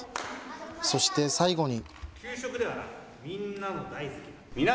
そして最後に。